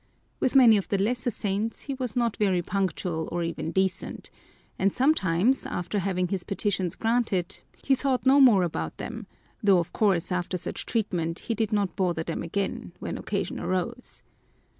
With many of the lesser saints he was not very punctual or even decent; and sometimes, after having his petitions granted, he thought no more about them, though of course after such treatment he did not bother them again, when occasion arose.